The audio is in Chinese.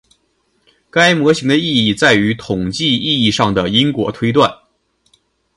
该模型的意义在于统计意义上的因果推断。